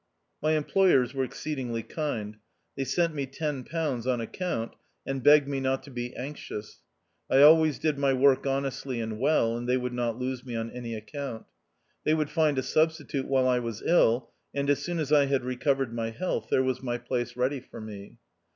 My employers were exceedingly kind. They sent me ten pounds on account, and begged me not to be anxious. I always did my work honestly and well, and they would not lose me on any account. They would find a substitute while I was ill, and as soon as I had recovered my health, there was my place ready for me.